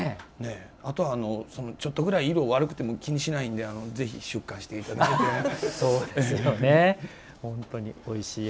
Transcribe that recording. あと、ちょっとぐらい色が悪くても気にしないんでぜひ出荷していただきたいなと。